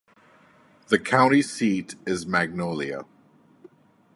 The county seat is Magnolia.